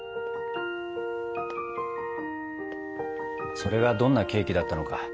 それがどんなケーキだったのか